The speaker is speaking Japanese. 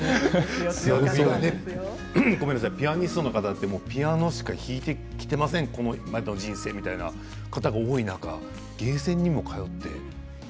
ごめんなさいピアニストの方ってピアノしか引いてきていません、今までの人生、みたいな方が多い中ゲーセンにも通って。